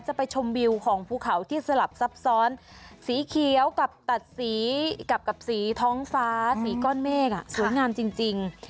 จะไปชมวิวของภูเขาที่สลับซับซ้อนสีเขียวกับตัดสีกับสีท้องฟ้าสีก้อนเมฆสวยงามจริง